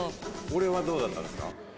俺はどうだったんですか？